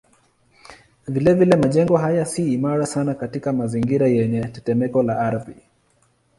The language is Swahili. Vilevile majengo haya si imara sana katika mazingira yenye tetemeko la ardhi.